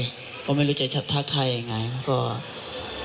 เพราะไม่รู้ใจชัดทางไทยอย่างไร